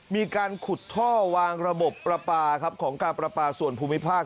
มีการขุดท่อวางระบบประปาครับของการประปาส่วนภูมิภาค